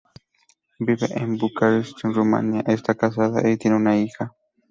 Vive en Bucarest, Rumanía, está casada y tiene una hija.